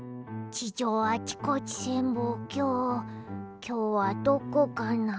地上あちこち潜望鏡きょうはどこかな？